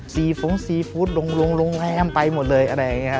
ซีฟุ้งซีฟู้ดโรงแรมไปหมดเลยอะไรอย่างเงี้ย